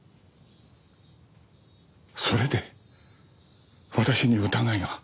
それで私に疑いが？